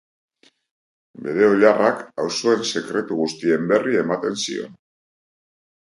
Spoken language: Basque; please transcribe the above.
Bere oilarrak auzoen sekretu guztien berri ematen zion.